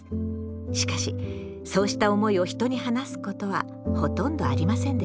しかしそうした思いを人に話すことはほとんどありませんでした。